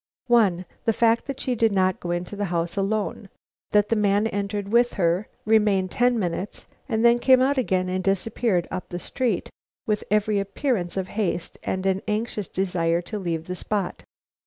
_ 1. The fact that she did not go into the house alone; that a man entered with her, remained ten minutes, and then came out again and disappeared up the street with every appearance of haste and an anxious desire to leave the spot.